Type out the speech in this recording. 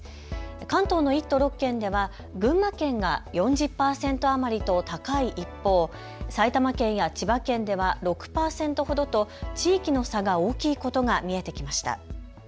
関東の１都６県では群馬県が４０％余りと高い一方、埼玉県や千葉県では６％ほどと地域の差が大きいことが見えてきました。